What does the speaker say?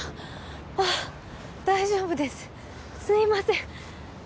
あっ大丈夫ですすいません